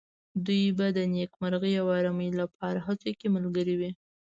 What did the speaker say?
دوی به د نېکمرغۍ او آرامۍ لپاره هڅو کې ملګري وي.